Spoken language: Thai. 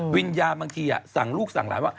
วิญญาณบางทีสั่งลูกสั่งหลานว่า